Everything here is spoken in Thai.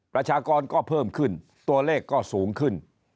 ประชากรก็เพิ่มขึ้นตัวเลขก็สูงขึ้น